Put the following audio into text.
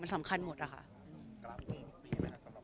บางทีเค้าแค่อยากดึงเค้าต้องการอะไรจับเราไหล่ลูกหรือยังไง